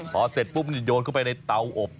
พอเสร็จปุ๊บโยนเข้าไปในเตาอบ